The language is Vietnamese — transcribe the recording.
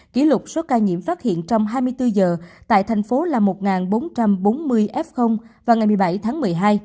kỷ lục số ca nhiễm phát hiện trong hai mươi bốn giờ tại thành phố là một bốn trăm bốn mươi f vào ngày một mươi bảy tháng một mươi hai